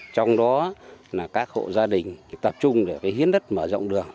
trong đó là các hộ gia đình tập trung để hiến đất mở rộng đường